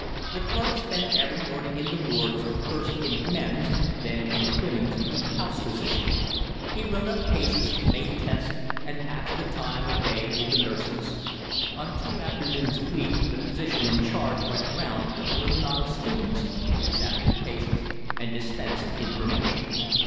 The clerk spent every morning in the wards, first in the men's, then in the women's, with the house physician; he wrote up cases, made tests, and passed the time of day with the nurses. On two afternoons a week the physician in charge went round with a little knot of students, examined the cases, and dispensed information.